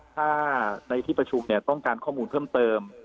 ถ้าในที่ประชุมต้องการข้อมูลเพิ่มเติม